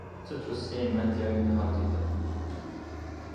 Ti dosyeyên medyayê nehat dîtin.